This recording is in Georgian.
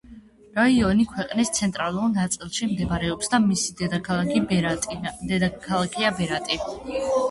რაიონი ქვეყნის ცენტრალურ ნაწილში მდებარეობს და მისი დედაქალაქია ბერატი.